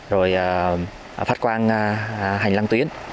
rồi phát quan hành lăng tuyến